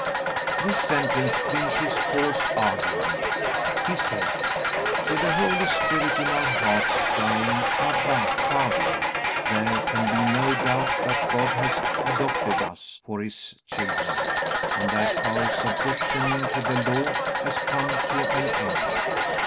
This sentence clinches Paul's argument. He says: "With the Holy Spirit in our hearts crying, 'Abba, Father,' there can be no doubt that God has adopted us for His children and that our subjection to the Law has come to an end."